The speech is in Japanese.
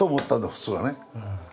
普通はね。